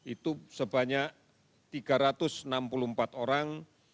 itu sebanyak tiga ratus enam puluh empat orang